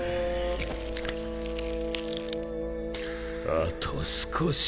あと少し。